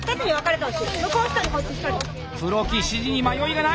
黒木指示に迷いがない！